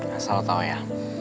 gak usah lo tau ya